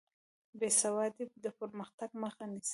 بېسوادي د پرمختګ مخه نیسي.